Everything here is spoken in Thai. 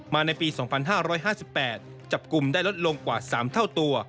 ในปี๒๕๕๘จับกลุ่มได้ลดลงกว่า๓เท่าตัว